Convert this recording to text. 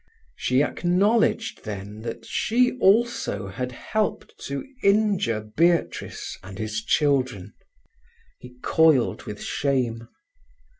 She acknowledged then that she also had helped to injure Beatrice and his children. He coiled with shame.